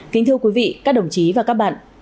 kính thưa quý vị các đồng chí và các bạn